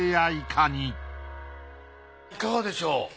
いかがでしょう？